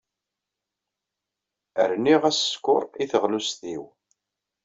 Rniɣ-as sskeṛ i teɣlust-inu.